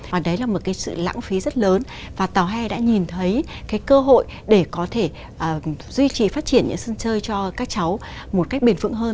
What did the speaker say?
và đấy là một cái sự lãng phí rất lớn và tòa hay đã nhìn thấy cái cơ hội để có thể duy trì phát triển những sân chơi cho các cháu một cách bền phững hơn